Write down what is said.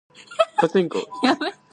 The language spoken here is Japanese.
パチンコ